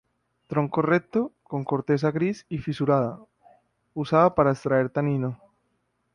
Tronco recto, con corteza gris y fisurada, usada para extraer tanino.